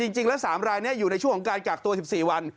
จริงแล้ว๓รายนี้อยู่ในช่วงของการกากตัว๑๔วัน